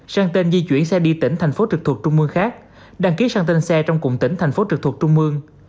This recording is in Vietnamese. sang tên di chuyển xe đi tỉnh thành phố trực thuộc trung mương khác đăng ký sang tên xe trong cụm tỉnh thành phố trực thuộc trung mương